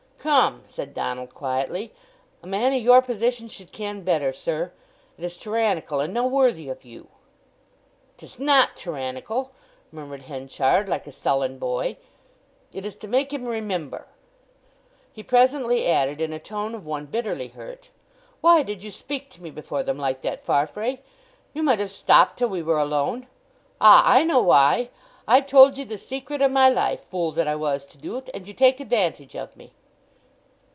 "Come," said Donald quietly, "a man o' your position should ken better, sir! It is tyrannical and no worthy of you." "'Tis not tyrannical!" murmured Henchard, like a sullen boy. "It is to make him remember!" He presently added, in a tone of one bitterly hurt: "Why did you speak to me before them like that, Farfrae? You might have stopped till we were alone. Ah—I know why! I've told ye the secret o' my life—fool that I was to do't—and you take advantage of me!"